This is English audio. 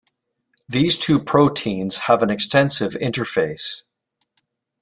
These two proteins have an extensive interface.